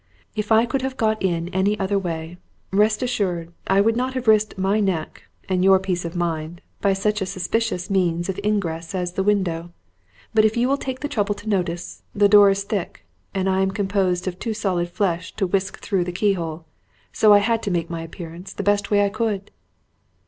If I could have got in any other way, rest assured I would not have risked my neck and your peace of mind by such a suspicious means of ingress as the window; but if you will take the trouble to notice, the door is thick, and I am composed of too solid flesh to whisk through the keyhole; so I had to make my appearance the best way I could."